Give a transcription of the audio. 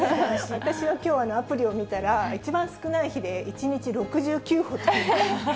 私はきょうアプリを見たら、一番少ない日で１日６９歩という。